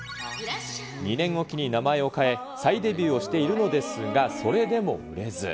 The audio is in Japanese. ２年おきに名前を変え、再デビューをしているのですが、それでも売れず。